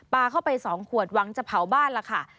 เข้าไป๒ขวดหวังจะเผาบ้านล่ะค่ะ